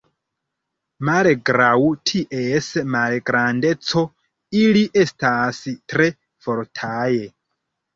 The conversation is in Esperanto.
Malgraŭ ties malgrandeco, ili estas tre fortaj.